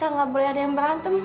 nggak boleh ada yang berantem